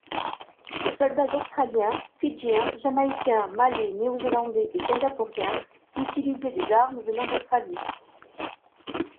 Les soldats australiens, fidjiens, jamaïcains, malais, néo-zélandais et singapouriens utilisaient des armes venant d'Australie.